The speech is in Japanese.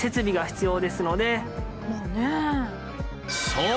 そう！